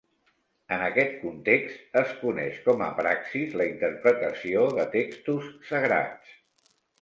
En aquest context, es coneix com a "praxis" la interpretació de textos sagrats.